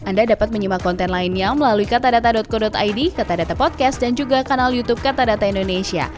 anda dapat menyimak konten lainnya melalui katadata co id kata data podcast dan juga kanal youtube kata indonesia